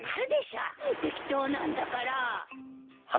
適当なんだから。